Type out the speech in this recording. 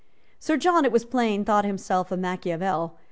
Sir John, it was plain, thought himself a Machiavel.